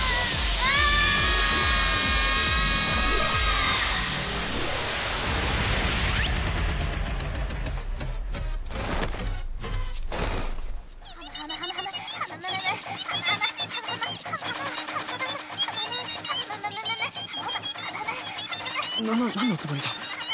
なな何のつもりだ？